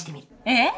えっ！？